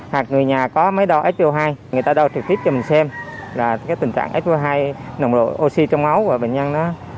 hoặc người nhà có máy đo spo hai người ta đo trực tiếp cho mình xem là tình trạng spo hai nồng độ oxy trong máu của bệnh nhân đó